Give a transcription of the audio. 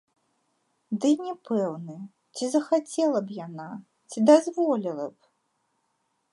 Дый не пэўны, ці захацела б яна, ці дазволіла б?